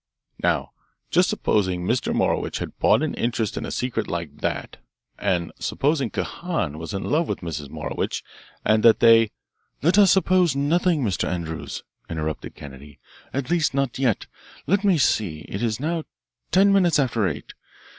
Now just supposing Mr. Morowitch had bought an interest in a secret like that and supposing Kahan was in love with Mrs. Morowitch and that they " "Let us suppose nothing, Mr. Andrews," interrupted Kennedy. "At least not yet. Let me see; it is now ten minutes after eight.